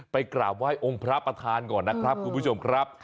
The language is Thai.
กราบไหว้องค์พระประธานก่อนนะครับคุณผู้ชมครับ